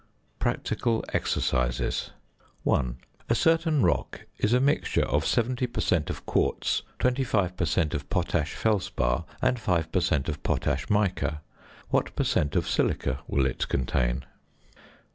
PRACTICAL EXERCISES. 1. A certain rock is a mixture of 70 per cent. of quartz, 25 per cent. of potash felspar, and 5 per cent. of potash mica. What per cent. of silica will it contain?